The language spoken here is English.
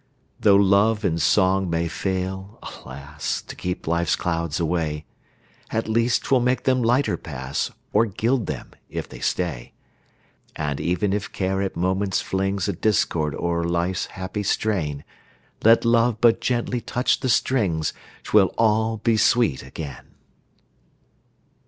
Tho' love and song may fail, alas! To keep life's clouds away, At least 'twill make them lighter pass, Or gild them if they stay. And even if Care at moments flings A discord o'er life's happy strain, Let Love but gently touch the strings, 'Twill all be sweet again!